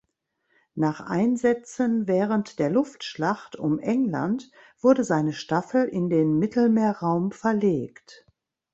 Nach Einsätzen während der Luftschlacht um England wurde seine Staffel in den Mittelmeerraum verlegt.